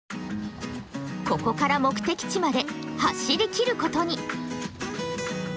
ここから目的地まで走りきることに。